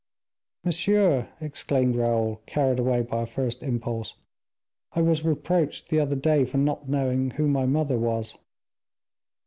"Monsieur," exclaimed Raoul, carried away by a first impulse. "I was reproached the other day for not knowing who my mother was."